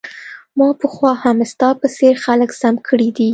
ما پخوا هم ستا په څیر خلک سم کړي دي